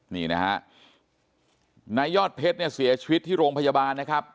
นี่นะฮะนายยอดเพชรเนี่ยเสียชีวิตที่โรงพยาบาลนะครับ